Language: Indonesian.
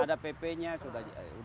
ada pp nya sudah